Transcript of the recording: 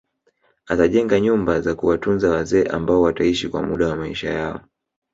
Atajenga nyumba za kuwatunza wazee ambao wataishi kwa muda wa maisha yao